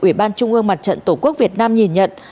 ủy ban trung ương mặt trận tổ quốc việt nam nhìn nhận